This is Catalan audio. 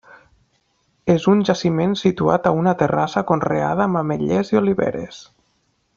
És un jaciment situat a una terrassa conreada amb ametllers i oliveres.